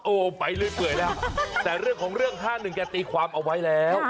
โอ้โหไปเรื่อยแล้วแต่เรื่องของเรื่อง๕๑แกตีความเอาไว้แล้ว